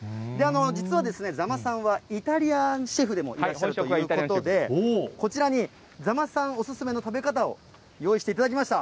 実はですね、座間さんはイタリアンシェフでもいらっしゃるということで、こちらに座間さんお勧めの食べ方を用意していただきました。